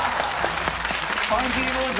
パン切り包丁。